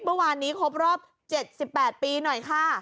เมื่อวานนี้ครบรอบ๗๘ปีหน่อยค่ะ